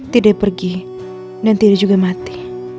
tidak pergi dan tidak juga mati